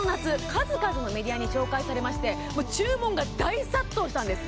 数々のメディアに紹介されまして注文が大殺到したんです